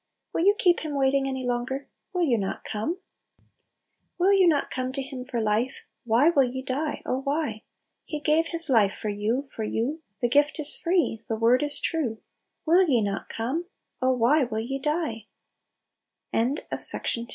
Will you keep Him wait ing any longer ? Will you not " Come "? "Will you not come to Him for life? Why "will ye die, oh why ? He gave His life for yon, for you ! The gift is free, the word is true ! Will ye not oome